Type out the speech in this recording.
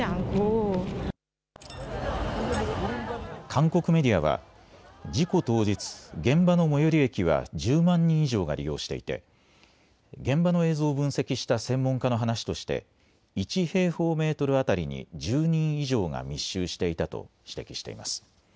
韓国メディアは事故当日、現場の最寄り駅は１０万人以上が利用していて現場の映像を分析した専門家の話として１平方メートル当たりに１０人以上が密集していたと指摘しています。